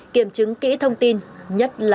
kiểm chứng kỹ thông tin nhất